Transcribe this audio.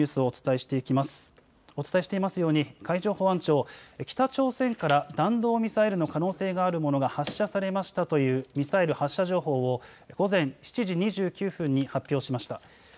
お伝えしていますように海上保安庁は北朝鮮から弾道ミサイルの可能性があるものが発射されましたというミサイル発射情報を午前７時２９分に発表しました。